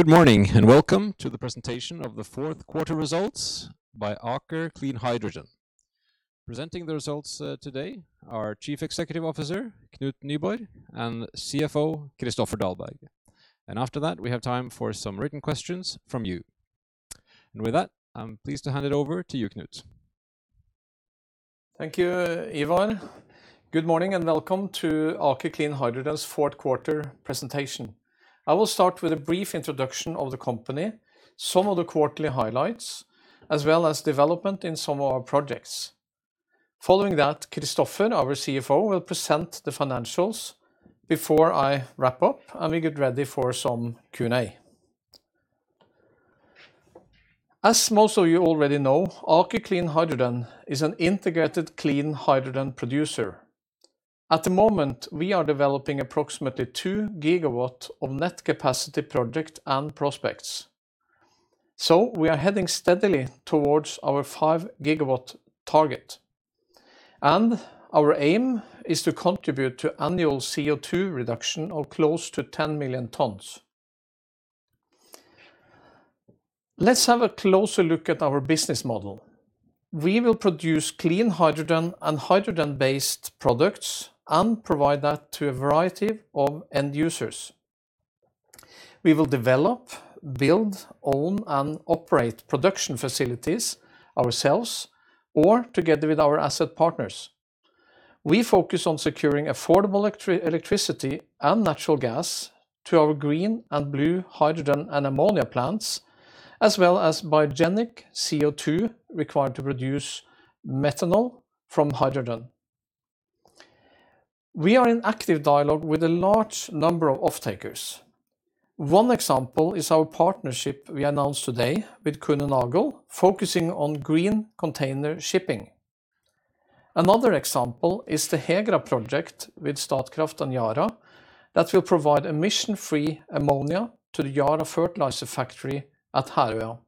Good morning, and welcome to the presentation of the fourth quarter results by Aker Clean Hydrogen. Presenting the results, today are Chief Executive Officer Knut Nyborg and CFO Kristoffer Dahlberg. After that, we have time for some written questions from you. With that, I'm pleased to hand it over to you, Knut. Thank you, Ivar. Good morning, and welcome to Aker Clean Hydrogen's fourth quarter presentation. I will start with a brief introduction of the company, some of the quarterly highlights, as well as development in some of our projects. Following that, Kristoffer, our CFO, will present the financials before I wrap up and we get ready for some Q&A. As most of you already know, Aker Clean Hydrogen is an integrated clean hydrogen producer. At the moment, we are developing approximately 2 GW of net capacity projects and prospects. We are heading steadily towards our 5-GW target. Our aim is to contribute to annual CO₂ reduction of close to 10 million tons. Let's have a closer look at our business model. We will produce clean hydrogen and hydrogen-based products and provide that to a variety of end users. We will develop, build, own, and operate production facilities ourselves or together with our asset partners. We focus on securing affordable electricity and natural gas to our green and blue hydrogen and ammonia plants, as well as biogenic CO₂ required to produce methanol from hydrogen. We are in active dialogue with a large number of off-takers. One example is our partnership we announced today with Kuehne+Nagel, focusing on green container shipping. Another example is the HEGRA project with Statkraft and Yara that will provide emission-free ammonia to the Yara fertilizer factory at Herøya.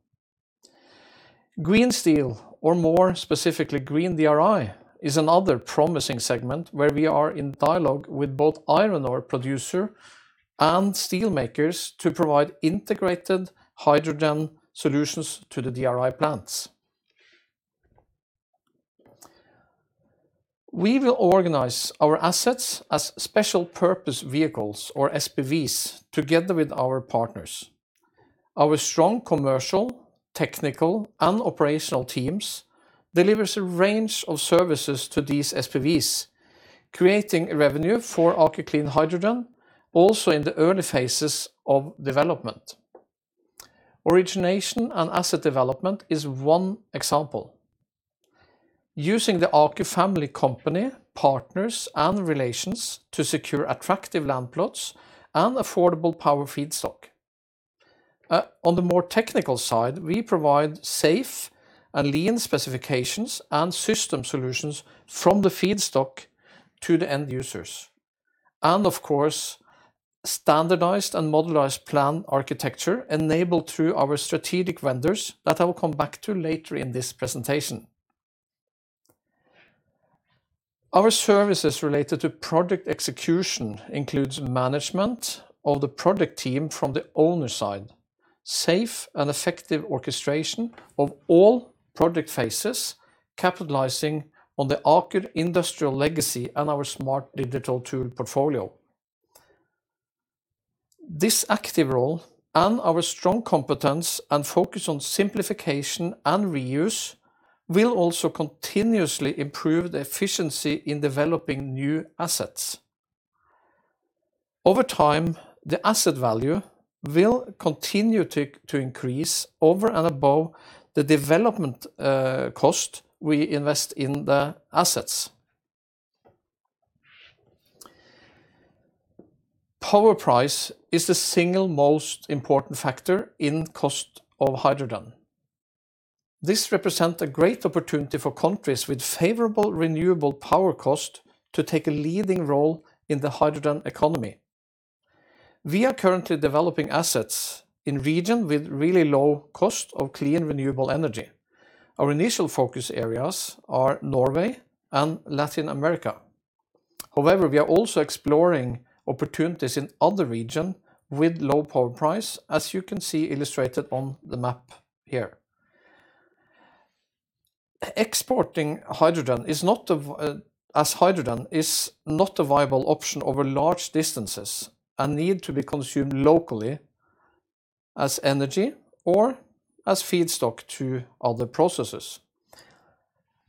Green steel or more specifically, green DRI, is another promising segment where we are in dialogue with both iron ore producer and steel makers to provide integrated hydrogen solutions to the DRI plants. We will organize our assets as special purpose vehicles or SPVs together with our partners. Our strong commercial, technical, and operational teams delivers a range of services to these SPVs, creating revenue for Aker Clean Hydrogen, also in the early phases of development. Origination and asset development is one example, using the Aker family company, partners and relations to secure attractive land plots and affordable power feedstock. On the more technical side, we provide safe and lean specifications and system solutions from the feedstock to the end users. Of course, standardized and modularized plant architecture enabled through our strategic vendors that I will come back to later in this presentation. Our services related to project execution includes management of the project team from the owner side, safe and effective orchestration of all project phases, capitalizing on the Aker industrial legacy and our smart digital tool portfolio. This active role and our strong competence and focus on simplification and reuse will also continuously improve the efficiency in developing new assets. Over time, the asset value will continue to increase over and above the development cost we invest in the assets. Power price is the single most important factor in cost of hydrogen. This represent a great opportunity for countries with favorable renewable power cost to take a leading role in the hydrogen economy. We are currently developing assets in region with really low cost of clean renewable energy. Our initial focus areas are Norway and Latin America. However, we are also exploring opportunities in other region with low power price, as you can see illustrated on the map here. Exporting hydrogen is not viable as hydrogen is not a viable option over large distances and need to be consumed locally as energy or as feedstock to other processes.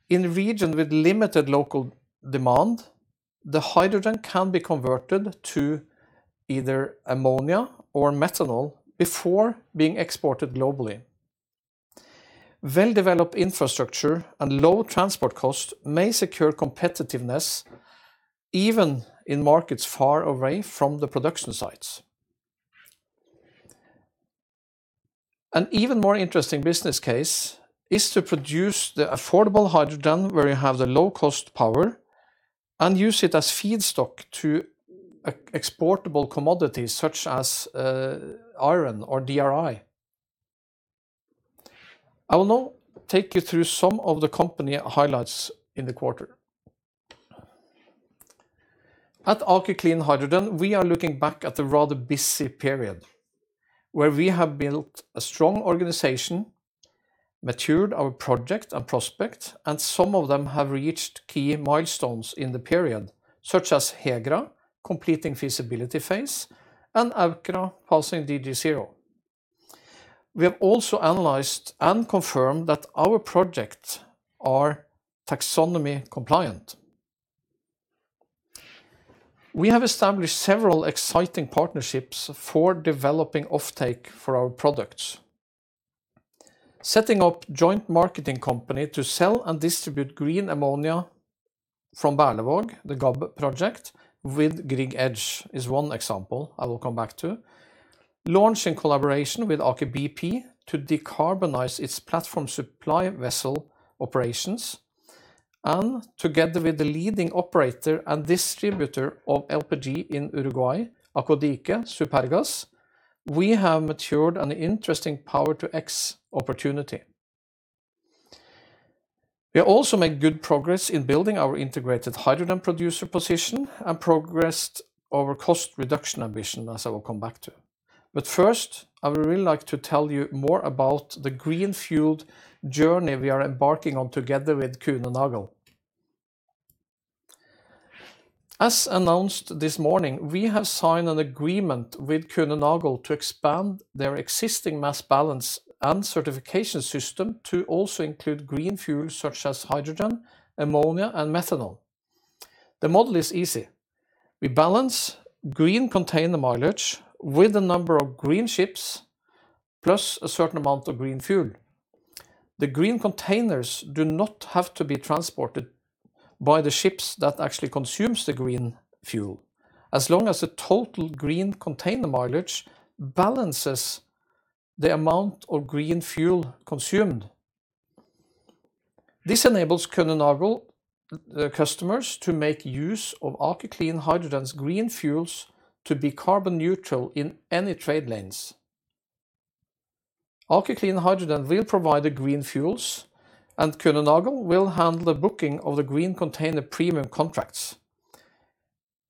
In region with limited local demand, the hydrogen can be converted to either ammonia or methanol before being exported globally. Well-developed infrastructure and low transport costs may secure competitiveness even in markets far away from the production sites. An even more interesting business case is to produce the affordable hydrogen where you have the low cost power and use it as feedstock to exportable commodities such as iron or DRI. I will now take you through some of the company highlights in the quarter. At Aker Clean Hydrogen, we are looking back at the rather busy period where we have built a strong organization, matured our project and prospect, and some of them have reached key milestones in the period, such as HEGRA completing feasibility phase and Aukra passing DG0. We have also analyzed and confirmed that our projects are taxonomy compliant. We have established several exciting partnerships for developing offtake for our products, setting up joint marketing company to sell and distribute green ammonia from Berlevåg. The Berlevåg project with Grieg Edge is one example I will come back to. Launch in collaboration with Aker BP to decarbonize its platform supply vessel operations and together with the leading operator and distributor of LPG in Uruguay, Acodike Supergas, we have matured an interesting power-to-X opportunity. We have also made good progress in building our integrated hydrogen producer position and progressed over cost reduction ambition, as I will come back to. First, I would really like to tell you more about the green fueled journey we are embarking on together with Kuehne+Nagel. As announced this morning, we have signed an agreement with Kuehne+Nagel to expand their existing mass balance and certification system to also include green fuel such as hydrogen, ammonia, and methanol. The model is easy. We balance green container mileage with the number of green ships plus a certain amount of green fuel. The green containers do not have to be transported by the ships that actually consumes the green fuel as long as the total green container mileage balances the amount of green fuel consumed. This enables Kuehne+Nagel the customers to make use of Aker Clean Hydrogen green fuels to be carbon neutral in any trade lanes. Aker Clean Hydrogen will provide the green fuels, and Kuehne+Nagel will handle the booking of the green container premium contracts.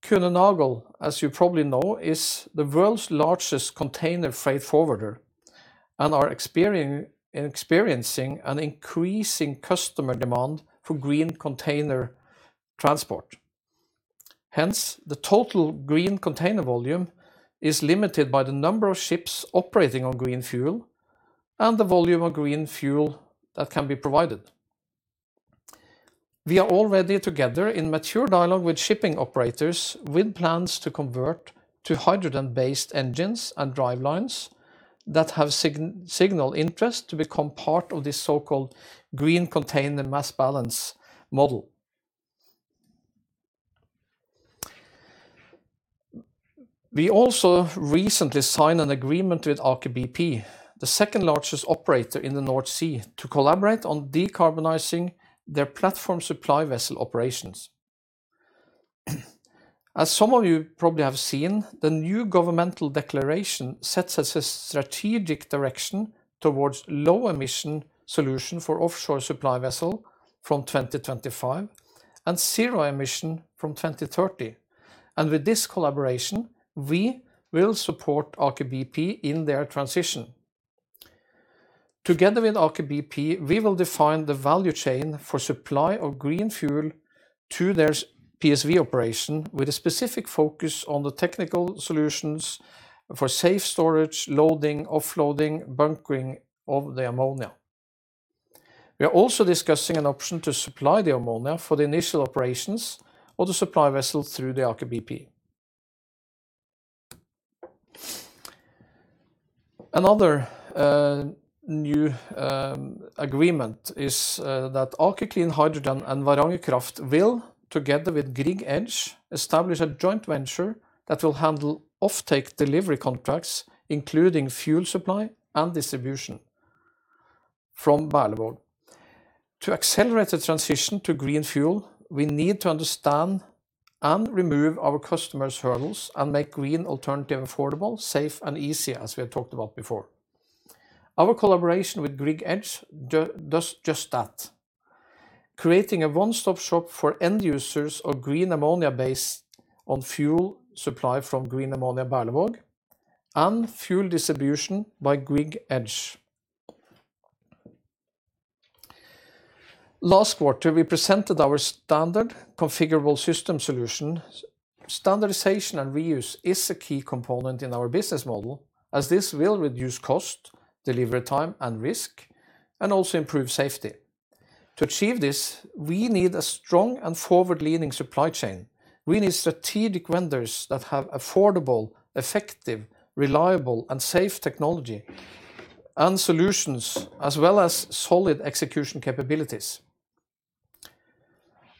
Kuehne+Nagel, as you probably know, is the world's largest container freight forwarder and are experiencing an increasing customer demand for green container transport. Hence, the total green container volume is limited by the number of ships operating on green fuel and the volume of green fuel that can be provided. We are already together in mature dialogue with shipping operators with plans to convert to hydrogen-based engines and drivelines that have signal interest to become part of this so-called green container Mass-Balance-Concept. We also recently signed an agreement with Aker BP, the second largest operator in the North Sea, to collaborate on decarbonizing their platform supply vessel operations. As some of you probably have seen, the new governmental declaration sets us a strategic direction towards low emission solution for offshore supply vessel from 2025 and zero emission from 2030 and with this collaboration, we will support Aker BP in their transition. Together with Aker BP, we will define the value chain for supply of green fuel to their PSV operation with a specific focus on the technical solutions for safe storage, loading, offloading, bunkering of the ammonia. We are also discussing an option to supply the ammonia for the initial operations of the supply vessel through the Aker BP. Another new agreement is that Aker Clean Hydrogen and Varanger Kraft will, together with Grieg Edge, establish a joint venture that will handle offtake delivery contracts, including fuel supply and distribution from Berlevåg. To accelerate the transition to green fuel, we need to understand and remove our customers' hurdles and make green alternative affordable, safe, and easy, as we have talked about before. Our collaboration with Grieg Edge does just that, creating a one-stop shop for end users of green ammonia based on fuel supply from green ammonia Berlevåg and fuel distribution by Grieg Edge. Last quarter, we presented our standard configurable system solution. Standardization and reuse is a key component in our business model as this will reduce cost, delivery time, and risk, and also improve safety. To achieve this, we need a strong and forward-leaning supply chain. We need strategic vendors that have affordable, effective, reliable, and safe technology and solutions as well as solid execution capabilities.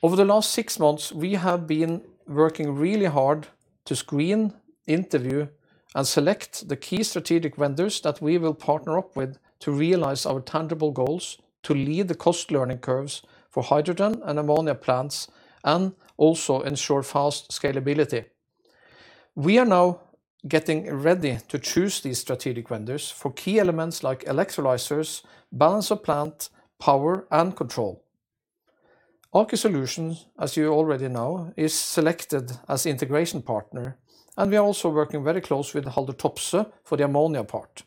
Over the last six months, we have been working really hard to screen, interview, and select the key strategic vendors that we will partner up with to realize our tangible goals to lead the cost learning curves for hydrogen and ammonia plants and also ensure fast scalability. We are now getting ready to choose these strategic vendors for key elements like electrolyzers, balance of plant, power and control. Aker Solutions, as you already know, is selected as integration partner, and we are also working very closely with Haldor Topsoe for the ammonia part.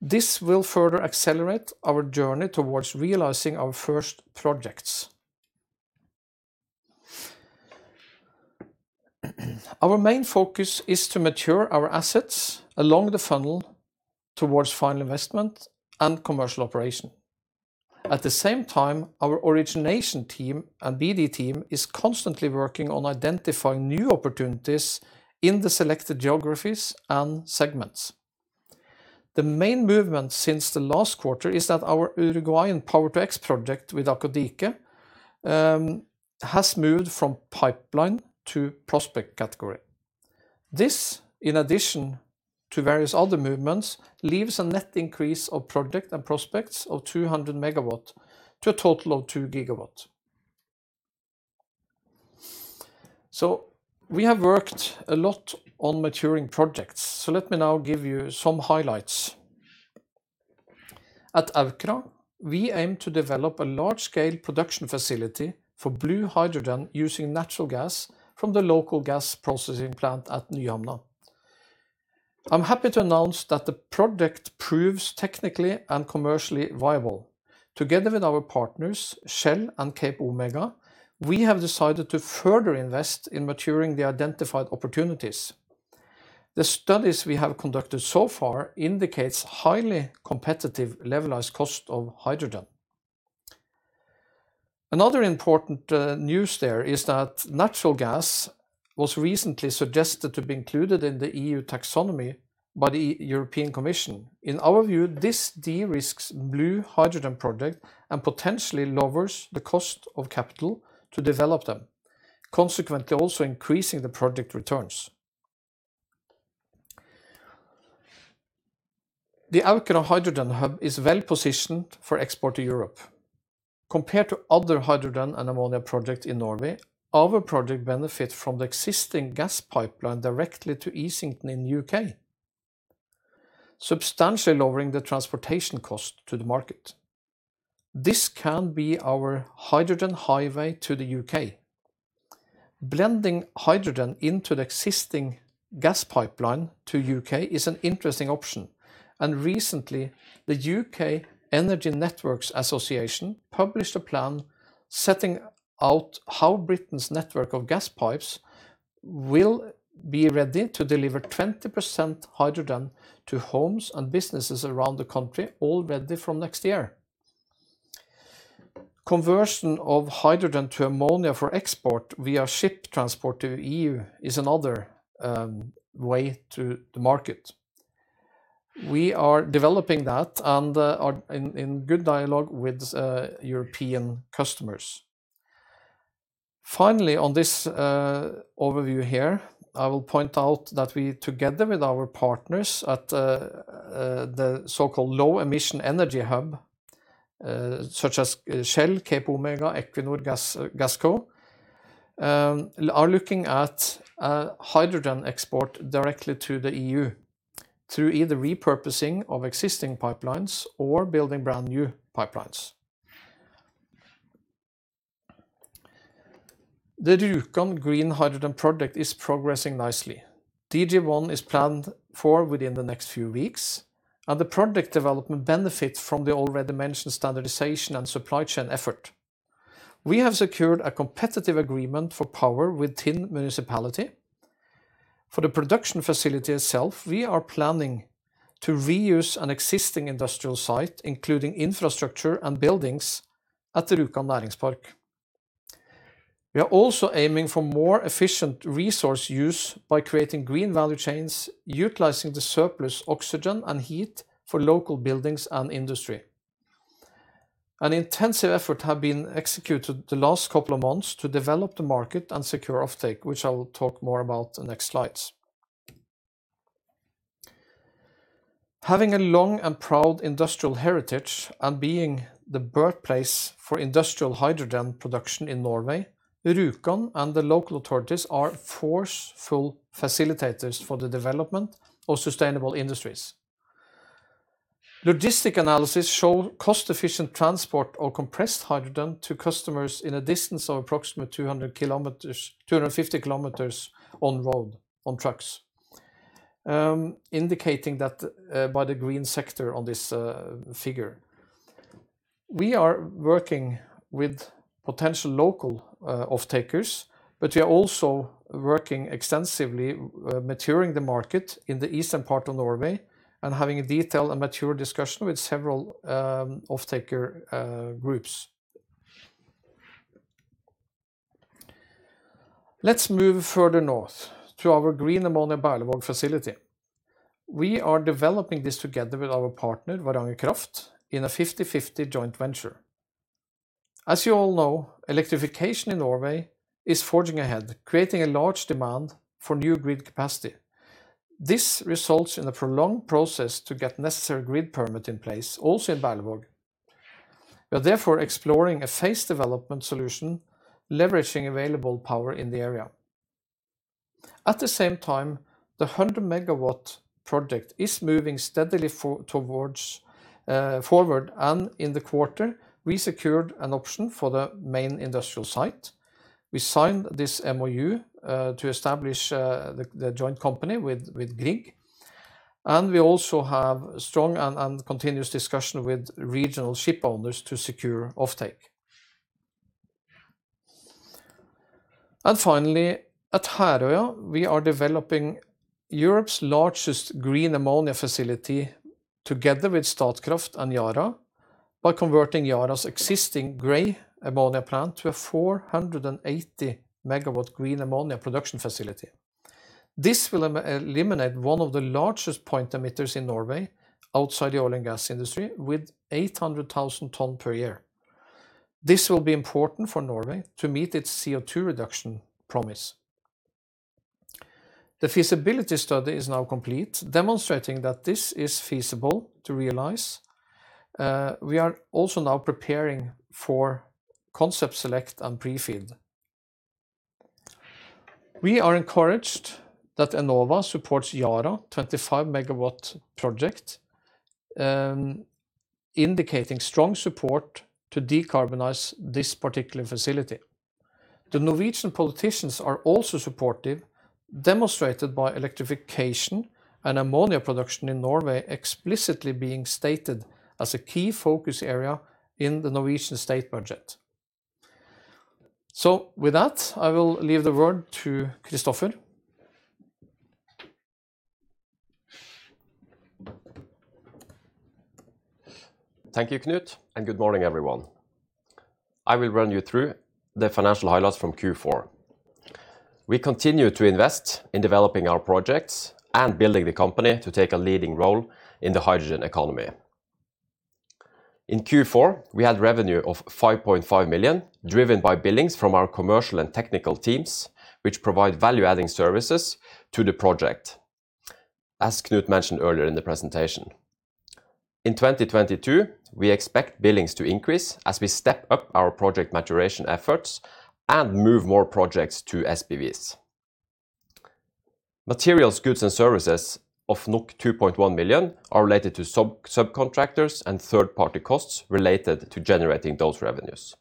This will further accelerate our journey towards realizing our first projects. Our main focus is to mature our assets along the funnel towards final investment and commercial operation. At the same time, our origination team and BD team is constantly working on identifying new opportunities in the selected geographies and segments. The main movement since the last quarter is that our Uruguayan power-to-X project with Acodike has moved from pipeline to prospect category. This, in addition to various other movements, leaves a net increase of project and prospects of 200 MW to a total of 2 GW. We have worked a lot on maturing projects. Let me now give you some highlights. At Aukra, we aim to develop a large scale production facility for blue hydrogen using natural gas from the local gas processing plant at Nyhamna. I'm happy to announce that the project proves technically and commercially viable. Together with our partners, Shell and CapeOmega, we have decided to further invest in maturing the identified opportunities. The studies we have conducted so far indicates highly competitive levelized cost of hydrogen. Another important news there is that natural gas was recently suggested to be included in the EU Taxonomy by the European Commission. In our view, this de-risks blue hydrogen project and potentially lowers the cost of capital to develop them, consequently also increasing the project returns. The Aukra Hydrogen Hub is well positioned for export to Europe. Compared to other hydrogen and ammonia projects in Norway, our project benefit from the existing gas pipeline directly to Easington in U.K., substantially lowering the transportation cost to the market. This can be our hydrogen highway to the U.K. Blending hydrogen into the existing gas pipeline to U.K. is an interesting option. Recently, the U.K. Energy Networks Association published a plan setting out how Britain's network of gas pipes will be ready to deliver 20% hydrogen to homes and businesses around the country already from next year. Conversion of hydrogen to ammonia for export via ship transport to EU is another way to the market. We are developing that and are in good dialogue with European customers. Finally, on this overview here, I will point out that we together with our partners at the so-called low emission energy hub, such as Shell, CapeOmega, Equinor, Gassco, are looking at hydrogen export directly to the EU through either repurposing of existing pipelines or building brand new pipelines. The Rjukan green hydrogen project is progressing nicely. DG1 is planned for within the next few weeks, and the project development benefit from the already mentioned standardization and supply chain effort. We have secured a competitive agreement for power with Tinn municipality. For the production facility itself, we are planning to reuse an existing industrial site, including infrastructure and buildings at the Rjukan Næringspark. We are also aiming for more efficient resource use by creating green value chains, utilizing the surplus oxygen and heat for local buildings and industry. An intensive effort have been executed the last couple of months to develop the market and secure offtake, which I will talk more about the next slides. Having a long and proud industrial heritage and being the birthplace for industrial hydrogen production in Norway, Rjukan and the local authorities are forceful facilitators for the development of sustainable industries. Logistics analysis shows cost-efficient transport of compressed hydrogen to customers at a distance of approximately 250 km on road, on trucks, indicating that by the green sector on this figure. We are working with potential local offtakers, but we are also working extensively on maturing the market in the eastern part of Norway and having a detailed and mature discussion with several offtaker groups. Let's move further north to our green ammonia Berlevåg facility. We are developing this together with our partner Varanger Kraft in a 50/50 joint venture. As you all know, electrification in Norway is forging ahead, creating a large demand for new grid capacity. This results in a prolonged process to get necessary grid permit in place also in Berlevåg. We are therefore exploring a phase development solution, leveraging available power in the area. At the same time, the 100-MW project is moving steadily forward, and in the quarter we secured an option for the main industrial site. We signed this MoU to establish the joint company with Grieg, and we also have strong and continuous discussion with regional ship owners to secure offtake. Finally, at Herøya, we are developing Europe's largest green ammonia facility together with Statkraft and Yara by converting Yara's existing gray ammonia plant to a 480-MW green ammonia production facility. This will eliminate one of the largest point emitters in Norway outside the oil and gas industry with 800,000 tons per year. This will be important for Norway to meet its CO₂ reduction promise. The feasibility study is now complete, demonstrating that this is feasible to realize. We are also now preparing for concept select and pre-FID. We are encouraged that Enova supports Yara 25 MW project, indicating strong support to decarbonize this particular facility. The Norwegian politicians are also supportive, demonstrated by electrification and ammonia production in Norway explicitly being stated as a key focus area in the Norwegian state budget. With that, I will leave the word to Kristoffer. Thank you, Knut, and good morning, everyone. I will run you through the financial highlights from Q4. We continue to invest in developing our projects and building the company to take a leading role in the hydrogen economy. In Q4, we had revenue of 5.5 million, driven by billings from our commercial and technical teams, which provide value-adding services to the project, as Knut mentioned earlier in the presentation. In 2022, we expect billings to increase as we step up our project maturation efforts and move more projects to SPVs. Materials, goods and services of 2.1 million are related to subcontractors and third-party costs related to generating those revenues.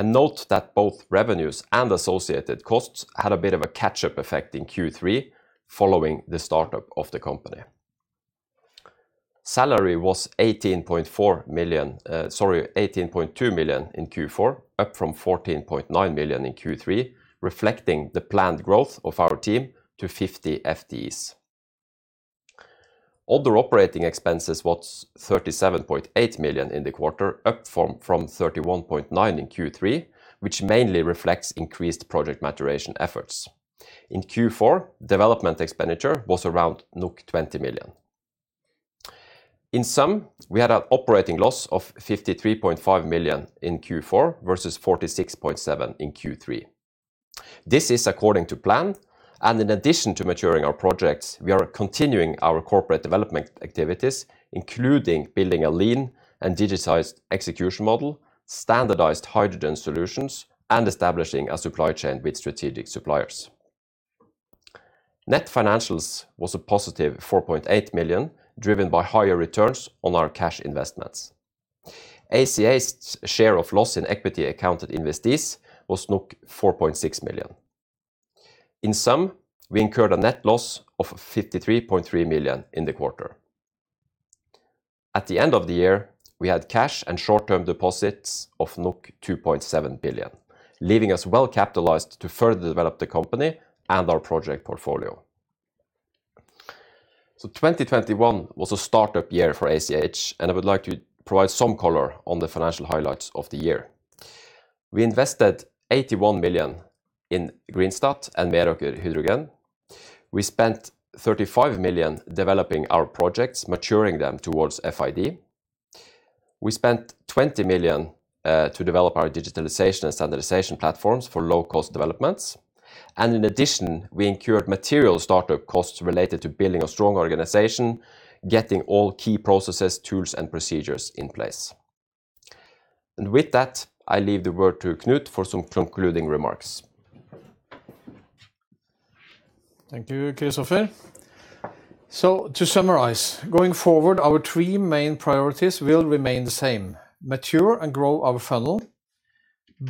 Note that both revenues and associated costs had a bit of a catch-up effect in Q3 following the startup of the company. Salary was 18.4 million. Sorry, 18.2 million in Q4, up from 14.9 million in Q3, reflecting the planned growth of our team to 50 FTEs. Other operating expenses was 37.8 million in the quarter, up from thirty-one point nine in Q3, which mainly reflects increased project maturation efforts. In Q4, development expenditure was around 20 million. In sum, we had an operating loss of 53.5 million in Q4 versus 46.7 million in Q3. This is according to plan, and in addition to maturing our projects, we are continuing our corporate development activities, including building a lean and digitized execution model, standardized hydrogen solutions, and establishing a supply chain with strategic suppliers. Net financials was a +4.8 million, driven by higher returns on our cash investments. ACH's share of loss in equity accounted investees was 4.6 million. In sum, we incurred a net loss of 53.3 million in the quarter. At the end of the year, we had cash and short-term deposits of 2.7 billion, leaving us well capitalized to further develop the company and our project portfolio. 2021 was a startup year for ACH, and I would like to provide some color on the financial highlights of the year. We invested 81 million in Greenstat and Meraker Hydrogen. We spent 35 million developing our projects, maturing them towards FID. We spent 20 million to develop our digitalization and standardization platforms for low cost developments. In addition, we incurred material startup costs related to building a strong organization, getting all key processes, tools and procedures in place. With that, I leave the word to Knut for some concluding remarks. Thank you, Kristoffer. To summarize, going forward, our three main priorities will remain the same. Mature and grow our funnel,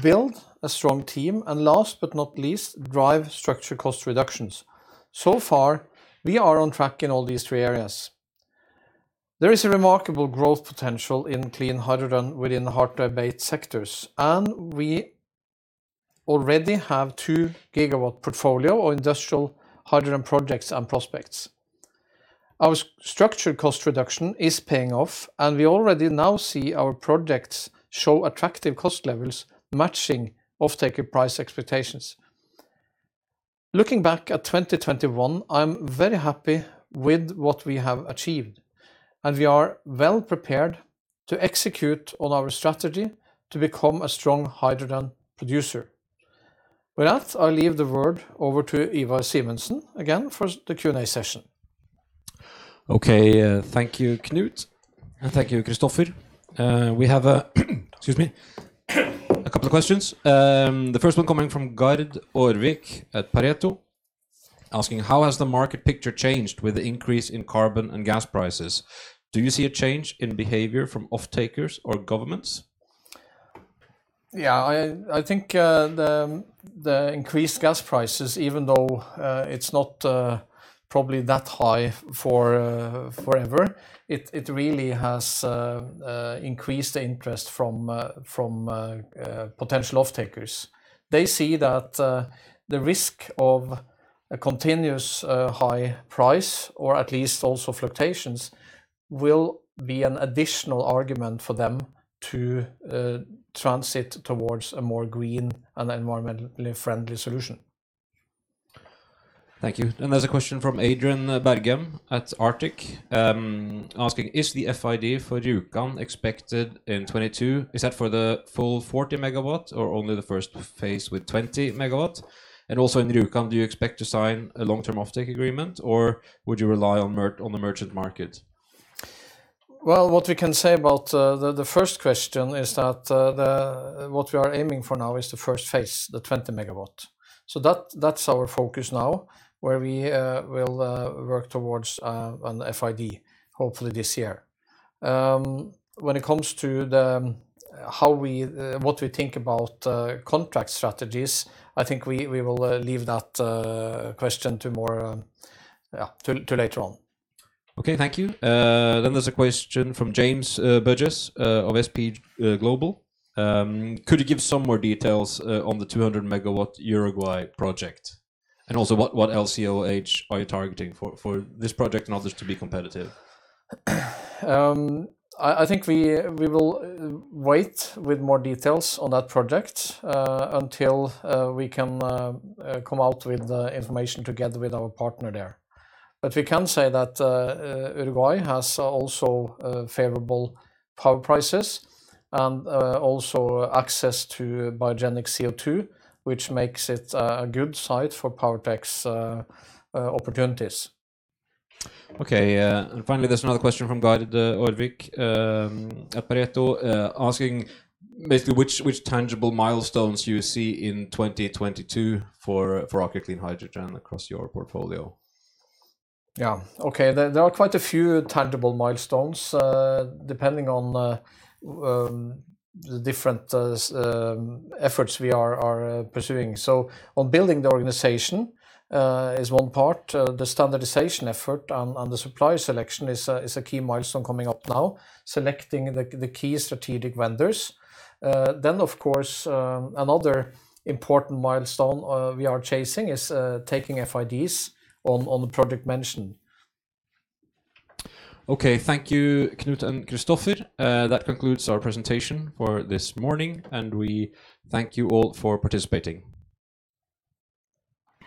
build a strong team, and last but not least, drive structural cost reductions. So far we are on track in all these three areas. There is a remarkable growth potential in clean hydrogen within the hard-to-abate sectors, and we already have 2-GW portfolio of industrial hydrogen projects and prospects. Our structured cost reduction is paying off, and we already now see our projects show attractive cost levels matching offtake price expectations. Looking back at 2021, I'm very happy with what we have achieved and we are well prepared to execute on our strategy to become a strong hydrogen producer. With that, I leave the word over to Ivar Simensen again for the Q&A session. Okay, thank you, Knut, and thank you, Kristoffer. We have, excuse me, a couple of questions. The first one coming from Gard Aarvik at Pareto asking, "How has the market picture changed with the increase in carbon and gas prices? Do you see a change in behavior from offtakers or governments? Yeah, I think the increased gas prices, even though it's not probably that high for forever, it really has increased interest from potential offtakers. They see that the risk of a continuous high price or at least also fluctuations will be an additional argument for them to transition towards a more green and environmentally friendly solution. Thank you. There's a question from Adrian Bergem at Arctic, asking, "Is the FID for Rjukan expected in 2022? Is that for the full 40 MW or only the first phase with 20 MW? And also in Rjukan, do you expect to sign a long-term offtake agreement or would you rely on the merchant market? Well, what we can say about the first question is that what we are aiming for now is the first phase, the 20 MW. That's our focus now, where we will work towards an FID, hopefully this year. When it comes to how we think about contract strategies, I think we will leave that question to more, yeah, to later on. Okay, thank you. There's a question from James Burgess of S&P Global. "Could you give some more details on the 200 MW Uruguay project? And also what LCOH are you targeting for this project and others to be competitive? I think we will wait with more details on that project until we can come out with the information together with our partner there. But we can say that Uruguay has also favorable power prices and also access to biogenic CO₂, which makes it a good site for power-to-X opportunities. Okay, finally there's another question from Gard Aarvik at Pareto asking which tangible milestones you see in 2022 for Aker Clean Hydrogen across your portfolio. There are quite a few tangible milestones, depending on the different efforts we are pursuing. On building the organization is one part. The standardization effort on the supplier selection is a key milestone coming up now, selecting the key strategic vendors. Of course, another important milestone we are chasing is taking FIDs on the project mentioned. Okay. Thank you, Knut and Kristoffer. That concludes our presentation for this morning, and we thank you all for participating.